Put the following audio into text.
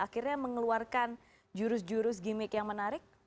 akhirnya mengeluarkan jurus jurus gimmick yang menarik